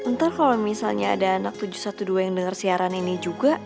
ntar kalau misalnya ada anak tujuh ratus dua belas yang dengar siaran ini juga